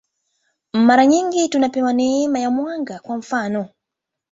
Mara nyingi tunapewa neema ya mwanga, kwa mfanof.